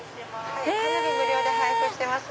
無料で配布してます。